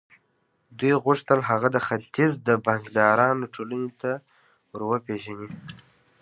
دوی غوښتل هغه د ختيځ د بانکدارانو ټولنې ته ور وپېژني.